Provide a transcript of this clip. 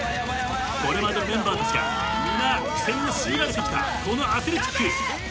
これまでメンバーたちが皆苦戦を強いられてきたこのアスレチック。